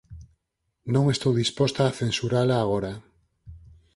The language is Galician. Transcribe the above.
non estou disposta a censurala agora.